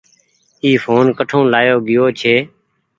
اي ڦون ڪٺو لآيو گيو ڇي۔